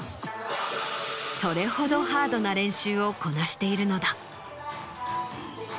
それほどハードな練習をこなしているのだ。